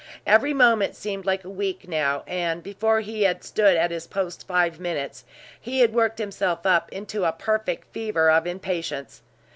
Every moment seemed like a week now; and before he had stood at his post five minutes, he had worked himself up into a perfect fever of impatience.